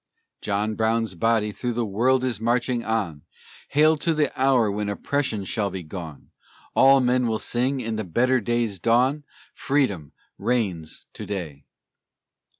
John Brown's body through the world is marching on; Hail to the hour when oppression shall be gone; All men will sing in the better day's dawn, Freedom reigns to day!